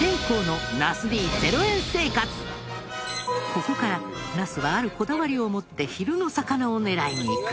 ここからナスはあるこだわりを持って昼の魚を狙いに行く。